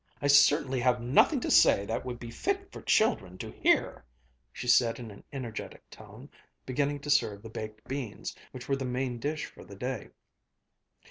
"I certainly have nothing to say that would be fit for children to hear!" she said in an energetic tone, beginning to serve the baked beans, which were the main dish for the day.